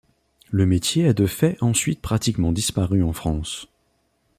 Le métier a de fait ensuite pratiquement disparu en France.